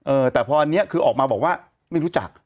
เออแต่พออันนี้คือออกมาบอกว่าไม่รู้จัก